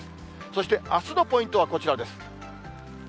そしてあすのポイントはこちらです。